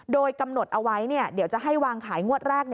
โดยกำหนดเอาไว้เดี๋ยวจะให้วางขายงวดแรก